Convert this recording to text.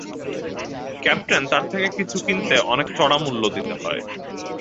Captain, তার থেকে কিছু কিনতে অনেক চড়া মূল্য দিতে হয়।